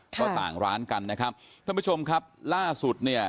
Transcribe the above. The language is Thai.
ก็ต่างร้านกันนะครับท่านผู้ชมครับล่าสุดเนี่ย